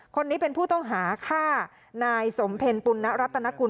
คนนี้เป็นผู้ต้องหาฆ่านายสมเพ็ญปุณรัตนกุล